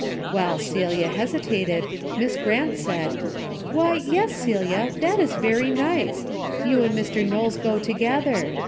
While Celia hesitated. Miss Grant said :—" Why, yes, Celia, that is very nice. You and Mr. Knowles go together.